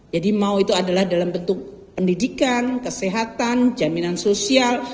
jadi mau itu adalah dalam bentuk pendidikan kesehatan jaminan sosial